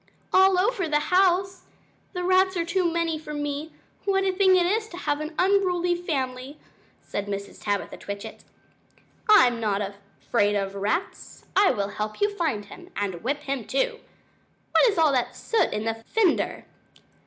"All over the house! The rats are too many for me. What a thing it is to have an unruly family!" said Mrs. Tabitha Twitchit. "I'm not afraid of rats; I will help you to find him; and whip him, too! What is all that soot in the fender?"